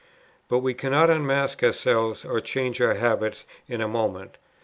But we cannot unmake ourselves or change our habits in a moment.